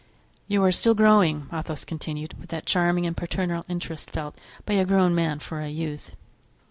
"You are still growing," Athos continued, with that charming and paternal interest felt by a grown man for a youth.